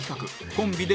コンビで？